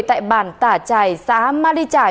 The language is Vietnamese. tại bàn tả trải xã ma đi trải